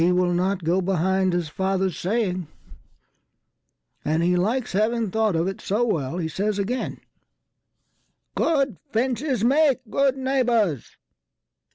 He will not go behind his father's saying, And he likes having thought of it so wellHe says again, "Good fences make good neighbours."